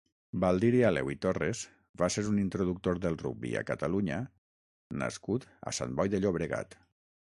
Baldiri Aleu i Torres va ser un introductor del rugbi a Catalunya nascut a Sant Boi de Llobregat.